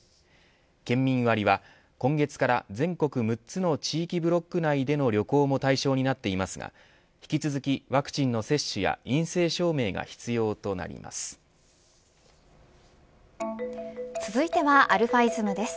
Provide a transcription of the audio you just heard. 県民割は今月から全国６つの地域ブロック内での旅行も対象になっていますが引き続きワクチンの接種や陰性証明が必要となります。